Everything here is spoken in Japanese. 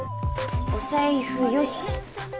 お財布よし。